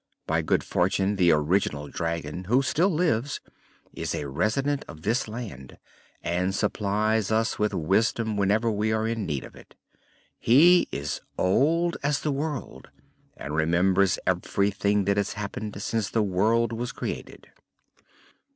By good fortune the Original Dragon, who still lives, is a resident of this land and supplies us with wisdom whenever we are in need of it. He is old as the world and remembers everything that has happened since the world was created."